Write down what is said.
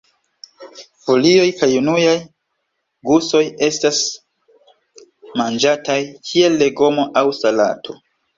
Folioj kaj junaj guŝoj estas manĝataj kiel legomo aŭ salato.